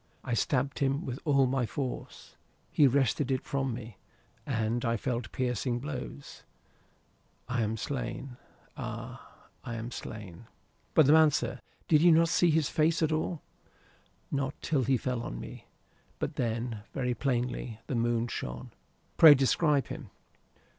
I stabbed him with all my force. He wrested it from me, and I felt piercing blows. I am slain. Ay, I am slain." "But the man, sir. Did you not see his face at all?" "Not till he fell on me. But then, very plainly. The moon shone." "Pray describe him."